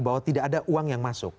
bahwa tidak ada uang yang masuk